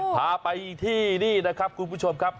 พาไปที่นี่นะครับคุณผู้ชมครับ